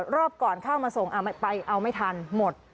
รอบก่อนเข้ามาส่งไปเอาไม่ทันหมด